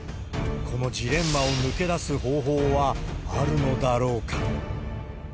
このジレンマを抜け出す方法はあるのだろうか。